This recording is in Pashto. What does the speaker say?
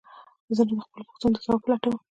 زه نو د خپلو پوښتنو د ځواب په لټه وم.